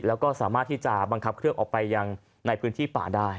แล้วก็สามารถที่จะบังคับเครื่องออกไปยังในพื้นที่ป่าได้